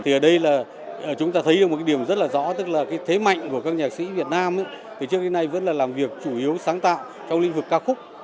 thì ở đây là chúng ta thấy được một cái điểm rất là rõ tức là cái thế mạnh của các nhạc sĩ việt nam từ trước đến nay vẫn là làm việc chủ yếu sáng tạo trong lĩnh vực ca khúc